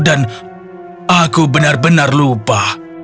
aku benar benar lupa